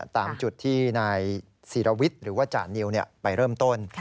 ตามจุดที่นายศิรวิทย์หรือว่าจานิวไปเริ่มต้น